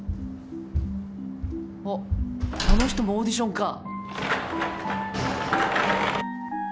あっあの人もオーディションか。